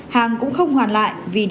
hàng cũng không hoàn lại vì địa chỉ